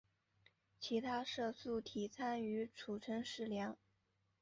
其他色素体参与储存食料。